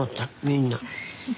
みんな。